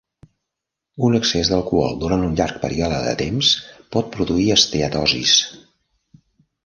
Un excés d'alcohol durant un llarg període de temps pot produir esteatosis.